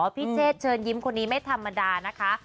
พี่เชษเชิญยิ้มคนนี้ไม่ธรรมดานะคะ